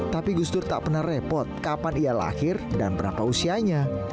tapi gus dur tak pernah repot kapan ia lahir dan berapa usianya